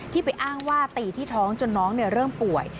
ไปอ้างว่าตีที่ท้องจนน้องเริ่มป่วย